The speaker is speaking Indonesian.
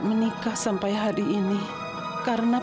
perbuatan wanita dan ketua kepala